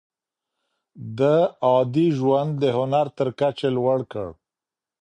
ده عادي ژوند د هنر تر کچې لوړ کړ.